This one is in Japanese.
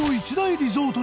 リゾート地